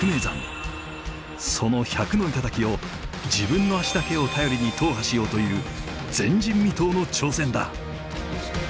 その１００の頂を自分の足だけを頼りに踏破しようという前人未到の挑戦だ。